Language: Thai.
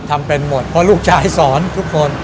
ทำเป็นหมดเพราะลูกชายสอนทุกคน